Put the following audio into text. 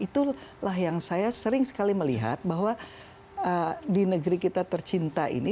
itulah yang saya sering sekali melihat bahwa di negeri kita tercinta ini